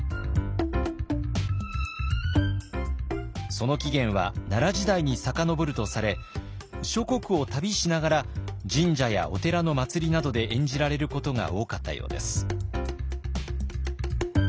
その起源は奈良時代に遡るとされ諸国を旅しながら神社やお寺の祭りなどで演じられることが多かったようです。